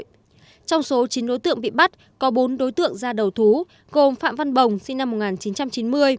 trong số chín đối tượng bị bắt có bốn đối tượng ra đầu thú gồm phạm văn bồng sinh năm một nghìn chín trăm chín mươi